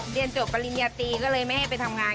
เรียนจบปริญญาตรีก็เลยไม่ให้ไปทำงาน